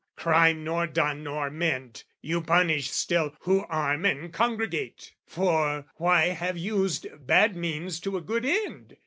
Crime nor done nor meant, You punish still who arm and congregate: For why have used bad means to a good end?